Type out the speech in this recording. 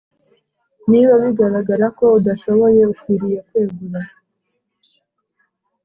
Niba bigaragara ko udashoboye ukwiriye kwegura